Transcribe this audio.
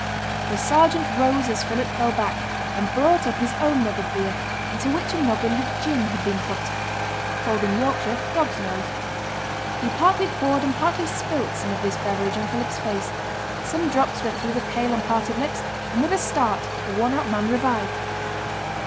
The sergeant rose as Philip fell back, and brought up his own mug of beer, into which a noggin of gin had been put (called in Yorkshire 'dog's nose'). He partly poured and partly spilt some of this beverage on Philip's face; some drops went through the pale and parted lips, and with a start the worn out man revived.